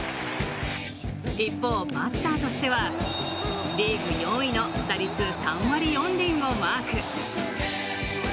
一方、バッターとしてはリーグ４位の打率３割４厘をマーク。